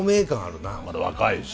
まだ若いし。